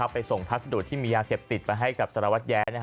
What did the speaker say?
ไปส่งพัสดุที่มียาเสียบติดมาให้กับศาลวัตย้า